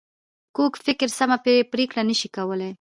کوږ فکر سمه پرېکړه نه شي کولای